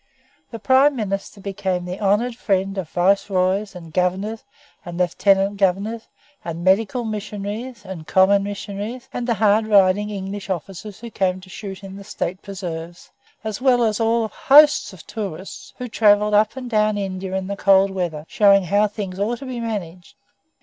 The Prime Minister became the honoured friend of Viceroys, and Governors, and Lieutenant Governors, and medical missionaries, and common missionaries, and hard riding English officers who came to shoot in the State preserves, as well as of whole hosts of tourists who travelled up and down India in the cold weather, showing how things ought to be managed.